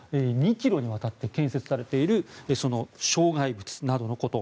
２ｋｍにわたって建設されているその障害物などのこと。